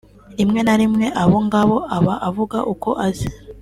rimwe na rimwe abo ngabo aba avuga ko azi